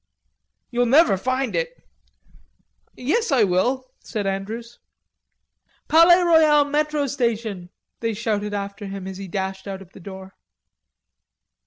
"You'll never find it." "Yes I will," said Andrews. "Palais Royal metro station," they shouted after him as he dashed out of the door.